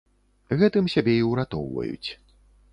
Гэтым сябе і ўратоўваюць.